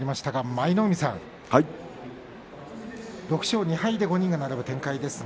６勝２敗で５人が並ぶ展開です。